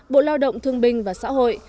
bộ lao động thương binh và xã hội